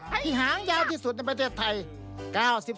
ให้หางยาวที่สุดในประเทศไทย